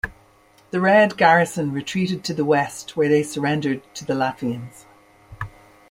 The Red garrison retreated to the west where they surrendered to the Latvians.